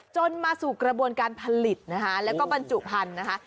จนมาสู่กระบวนการผลิตนะคะแล้วก็บรรจุพันธุ์นะคะ